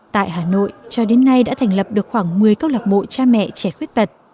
tại hà nội cho đến nay đã thành lập được khoảng một mươi câu lạc bộ cha mẹ trẻ khuyết tật